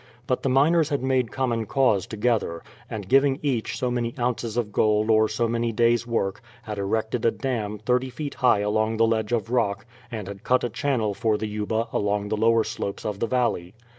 But the miners had made common cause together, and giving each so many ounces of gold or so many days' work had erected a dam thirty feet high along the ledge of rock, and had cut a channel for the Yuba along the lower slopes of the valley.